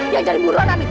yang jadi buruan namiku